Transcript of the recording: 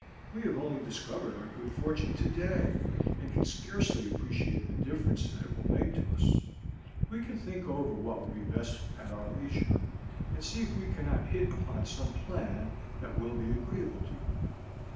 We have only discovered our good fortune today, and can scarcely appreciate the difference that it will make to us. We can think over what will be for the best at our leisure, and see if we cannot hit upon some plan that will be agreeable to you."